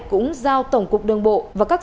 cũng giao tổng cục đường bộ và các